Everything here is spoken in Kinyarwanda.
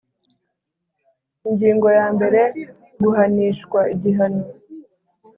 Ingingo ya mbere Guhanishwa igihano